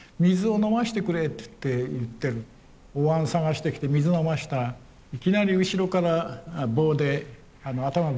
おわん探してきて水飲ましたらいきなり後ろから棒で頭ぶん殴られた。